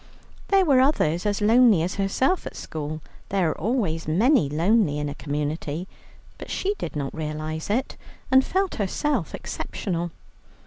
There were others as lonely as herself at school, there are always many lonely in a community; but she did not realize this, and felt herself exceptional.